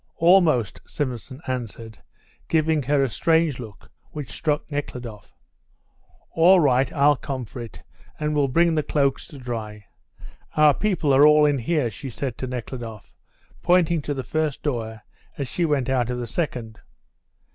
"Almost," Simonson answered, giving her a strange look, which struck Nekhludoff. "All right, I'll come for it, and will bring the cloaks to dry. Our people are all in here," she said to Nekhludoff, pointing to the first door as she went out of the second.